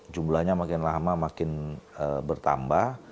jumlahnya makin lama makin bertambah